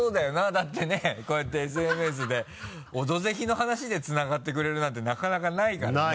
だってねこうやってＳＮＳで「オドぜひ」の話でつながってくれるなんてなかなかないからね。